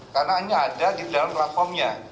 karena hanya ada di dalam platformnya